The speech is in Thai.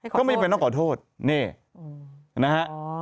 ก็ไม่มีอะไรต้องขอโทษเนี่ยนะฮะ